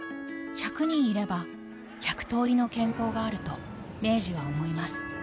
１００人いれば１００通りの健康があると明治は思います